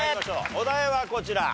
お題はこちら。